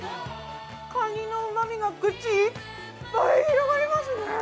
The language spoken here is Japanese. かにのうまみが口いっぱい広がりますね。